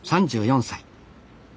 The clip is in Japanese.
３４歳。